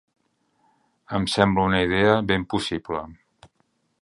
Em sembla una idea ben possible.